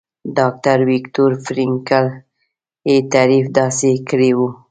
ډاکټر ويکټور فرېنکل يې تعريف داسې کړی وو.